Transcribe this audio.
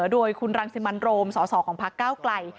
โดยคุณรังสิมันโรมสสของพักเก้าไกล